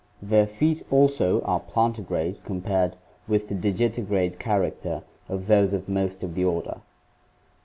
Their feet also are plantigrade compared with the digitigrade character of those of most of the order.